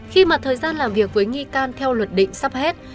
khi mà thời gian làm việc với nghi can theo luật định sắp hết